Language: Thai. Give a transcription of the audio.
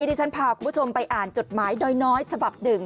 ที่ฉันพาคุณผู้ชมไปอ่านจดหมายน้อยฉบับหนึ่ง